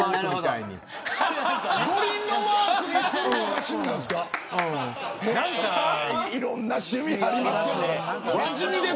いろんな趣味ありますね。